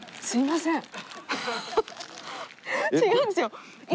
すいません。